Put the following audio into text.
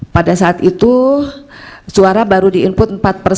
pada saat itu suara baru di input empat persen